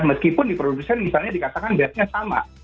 meskipun di produsen misalnya dikatakan bednya sama